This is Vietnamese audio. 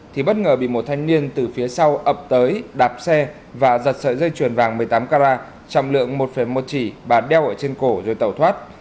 thì bất ngờ bị một thanh niên từ phía sau ập tới đạp xe và giật sợi dây chuyền vàng một mươi tám carat trọng lượng một một chỉ bà đeo ở trên cổ rồi tẩu thoát